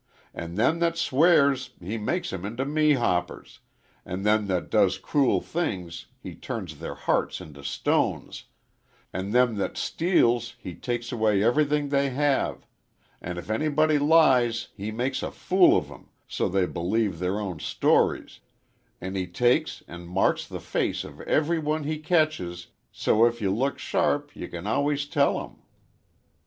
"An' them that swears he makes 'em into mehoppers, an' them that does cruel things he turns their hearts into stones, an' them that steals he takes away everything they have, an' if anybody lies he makes a fool of 'em so they b'lieve their own stories, an' he takes an' marks the face of every one he ketches so if ye look sharp ye can always tell 'em."